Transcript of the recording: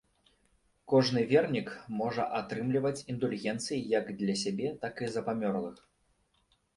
Кожны вернік можа атрымліваць індульгенцыі як для сябе, так і за памерлых.